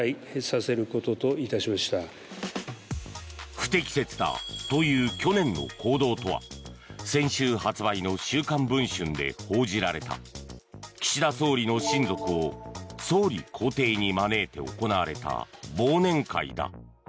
不適切だという去年の行動とは先週発売の「週刊文春」で報じられた岸田総理の親族を総理公邸に招いて行われた忘年会だ。